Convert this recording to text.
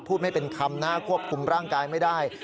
พูดให้เป็นคำน่าครบคุมร่างกายไม่ได้